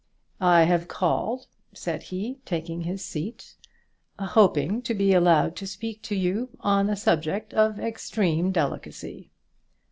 "I have called," said he, taking his seat, "hoping to be allowed to speak to you on a subject of extreme delicacy."